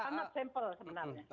sangat sampel sebenarnya